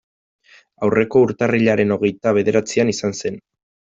Aurreko urtarrilaren hogeita bederatzian izan zen.